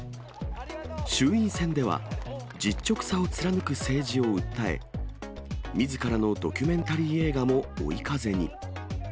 衆院選では、実直さを貫く政治を訴え、みずからのドキュメンタリー映画も追い風に。